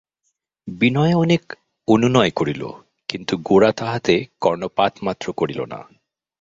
বিনয় অনেক অনুনয় করিল, কিন্তু গোরা তাহাতে কর্ণপাতমাত্র করিল না।